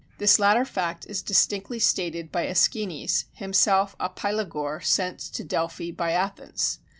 This latter fact is distinctly stated by Æschines, himself a Pylagore sent to Delphi by Athens.